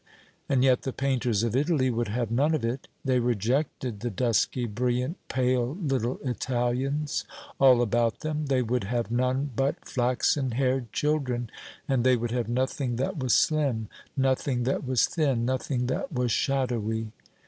And yet the painters of Italy would have none of it. They rejected the dusky brilliant pale little Italians all about them; they would have none but flaxen haired children, and they would have nothing that was slim, nothing that was thin, nothing that was shadowy.